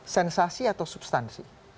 sensasi atau substansi